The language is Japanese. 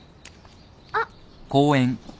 あっ。